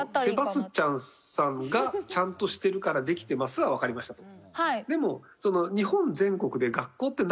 セバスチャンさんがちゃんとしてるからできてますはわかりましたと。